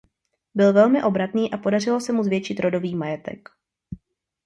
Byl velmi obratný a podařilo se mu zvětšit rodový majetek.